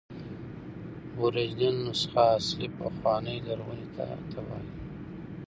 اوریجنل نسخه اصلي، پخوانۍ، لرغوني ته وایي.